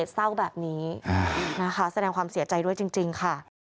แสดงความเสียใจด้วยจริงนะคะ